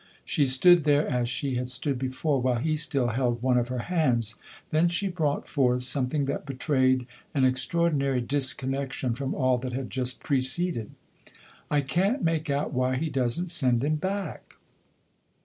She stood there as she had stood before, while he still held one of her hands ; then she brought forth some thing that betrayed an extraordinary disconnection from all that had just preceded. " I can't make out why he doesn't send him back